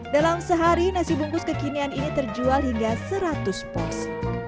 dalam sehari nasi bungkus kekinian ini terjual hingga seratus pos